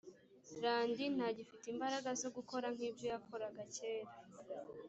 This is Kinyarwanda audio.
randi ntagifite imbaraga zo gukora nk’ibyo yakoraga kera